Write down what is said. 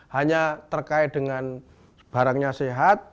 hanya terkait dengan barangnya sehat